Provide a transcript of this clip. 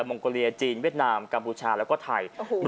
มงกรียจีนเวียดนามกัมพูชาแล้วก็ไทยโอ้โห